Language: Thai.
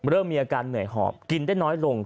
เริ่มมีอาการเหนื่อยหอบกินได้น้อยลง